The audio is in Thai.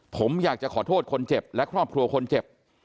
ผมอยากจะขอโทษคนเจ็บและครอบครัวคนเจ็บ